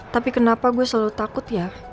tapi kenapa gue selalu takut ya